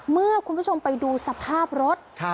เมื่อคุณผู้ชมไปดูสภาพรถ